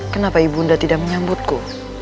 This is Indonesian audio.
kenapa ibu nda tidak menyambutku